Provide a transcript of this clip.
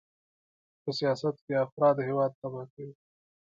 په سیاست کې افراط هېواد تباه کوي.